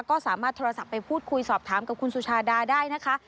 ก็สามารถโทรศัพท์ไปพูดคุยสอบถามกับคุณสุชาดาได้นะคะ